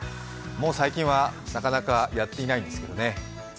もう最近は、なかなかやっていないんですけどね。